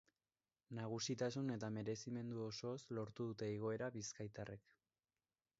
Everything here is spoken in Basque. Nagusitasun eta merezimendu osoz lortu dute igoera bizkaitarrek.